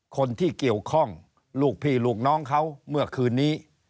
คนที่เกี่ยวข้องลูกพี่ลูกน้องเขาเมื่อคืนนี้